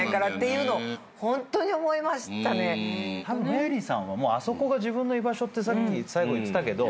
メアリーさんはあそこが自分の居場所って最後言ってたけど。